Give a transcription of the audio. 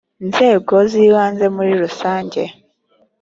nzego z ibanze muri rusange